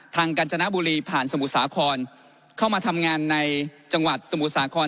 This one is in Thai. กัญจนบุรีผ่านสมุทรสาครเข้ามาทำงานในจังหวัดสมุทรสาคร